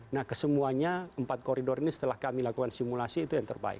nah kesemuanya empat koridor ini setelah kami lakukan simulasi itu yang terbaik